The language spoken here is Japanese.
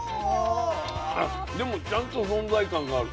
でもちゃんと存在感がある。